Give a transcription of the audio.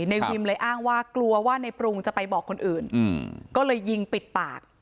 ในวิมเลยอ้างว่ากลัวว่าในปรุงจะไปบอกคนอื่นก็เลยยิงปิดปาก